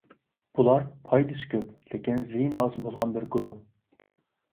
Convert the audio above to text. بۇلار پايدىسى كۆپ، لېكىن زىيىنى ئاز بولغان بىر گۇرۇھ.